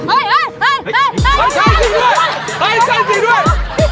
เฮ้ยใช่จริงด้วย